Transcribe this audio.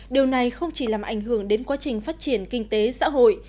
điều này không chỉ làm ảnh hưởng đến quá trình phát triển kinh tế xã hội